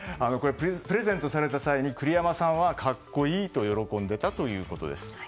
プレゼントされた際に栗山さんは格好いいと喜んでいたということです。